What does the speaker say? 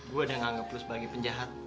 gue udah nganggep lo sebagai penjahat